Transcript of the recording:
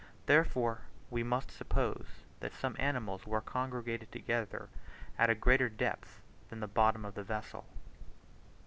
Therefore we must suppose that some animals were congregated together at a greater depth than the bottom of the vessel.